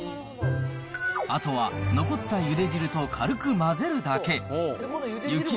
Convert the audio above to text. あとは残ったゆで汁と軽く混ぜるだけ。